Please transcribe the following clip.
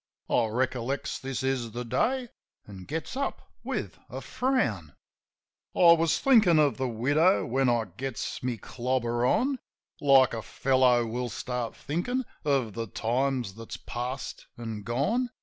I recollects this is the day, an' gets up with a frown. I was thinkin' of the widow while I gets me clobber on — Like a feller will start thinkin' of the times that's past an' gone.